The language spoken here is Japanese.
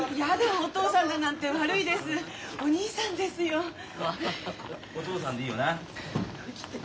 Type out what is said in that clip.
お父さんでいいよな？